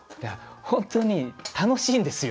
本当に楽しいんですよ。